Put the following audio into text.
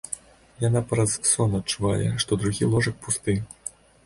Яна праз сон адчувае, што другі ложак пусты.